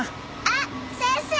あっ先生！